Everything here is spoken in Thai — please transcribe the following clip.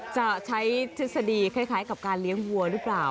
จะใช้ทฤษฎีคล้ายกับการเลี้ยงวัวหรือเปล่า